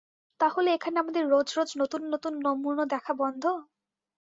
তা হলে এখানে আমাদের রোজ রোজ নতুন নতুন নমুনো দেখা বন্ধ?